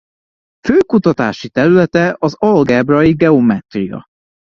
Fő kutatási területe az algebrai geometria.